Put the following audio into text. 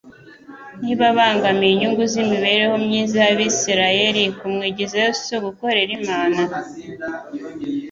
Niba abangamiye inyungu z'imibereho myiza y'Abisiraeli kumwigizayo si ugukorera Imana?